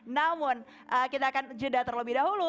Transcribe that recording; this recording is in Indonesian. namun kita akan jeda terlebih dahulu